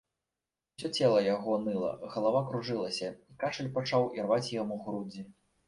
Усё цела яго ныла, галава кружылася, і кашаль пачаў ірваць яму грудзі.